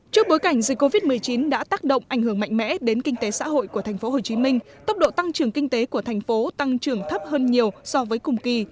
trước bối cảnh dịch covid một mươi chín đã tác động ảnh hưởng mạnh mẽ đến kinh tế xã hội của thành phố hồ chí minh tốc độ tăng trưởng kinh tế của thành phố tăng trưởng thấp hơn nhiều so với cùng kỳ